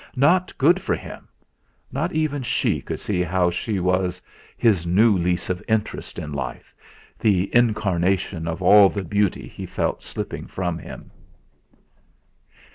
Not good for him! Not even she could see how she was his new lease of interest in life, the incarnation of all the beauty he felt slipping from him.